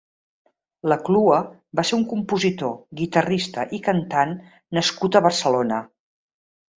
Ia Clua va ser un compositor, guitarrista i cantant nascut a Barcelona.